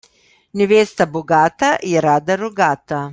Nevesta bogata, je rada rogata.